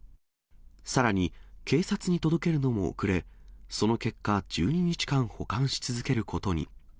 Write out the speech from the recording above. さらに、警察に届けるのも遅れ、その結果、１２日間保管し続けることに。